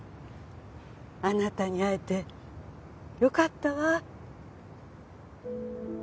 あなたに会えてよかったわ。